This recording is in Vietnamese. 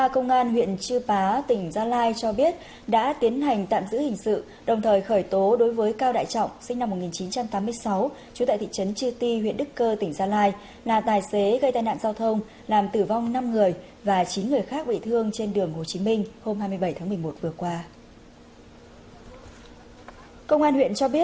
các bạn hãy đăng ký kênh để ủng hộ kênh của chúng mình nhé